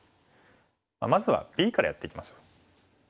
まずはＢからやっていきましょう。